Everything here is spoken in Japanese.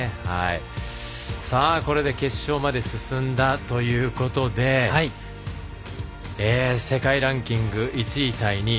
これで決勝まで進んだということで世界ランキング１位対２位